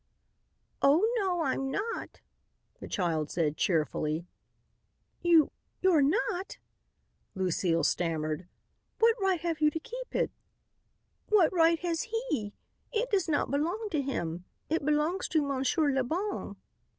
"Oh, no, I'm not," the child said cheerfully. "You you're not?" Lucile stammered. "What right have you to keep it?" "What right has he? It does not belong to him. It belongs to Monsieur Le Bon."